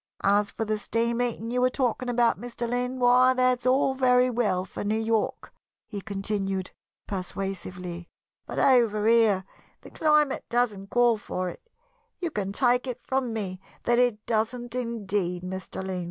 As for the steam heating you were talking about, Mr. Lynn, why, that's all very well for New York," he continued, persuasively, "but over here the climate doesn't call for it you can take it from me that it doesn't, indeed, Mr. Lynn.